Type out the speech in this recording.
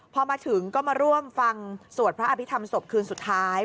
พอมาถึงก็มาร่วมฟังสวดพระอภิษฐรรมศพคืนสุดท้าย